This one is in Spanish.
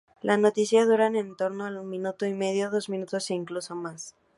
Las noticias duran en torno al minuto y medio, dos minutos e incluso más.